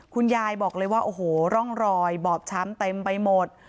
คุณยายบอกเลยว่าโอ้โหร่องรอยบอบช้ำเต็มไปหมด